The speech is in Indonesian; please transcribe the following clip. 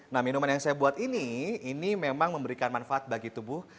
nah minuman yang saya buat ini ini memang memberikan manfaat bagi tubuh